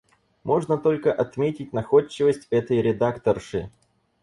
Можно только отметить находчивость этой редакторши.